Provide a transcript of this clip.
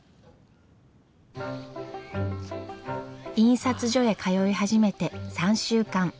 印刷所へ通い始めて３週間。